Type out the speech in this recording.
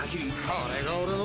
これが俺の。